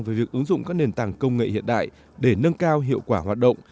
về việc ứng dụng các nền tảng công nghệ hiện đại để nâng cao hiệu quả hoạt động